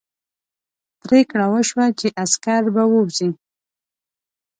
پرېکړه وشوه چې عسکر به ووځي.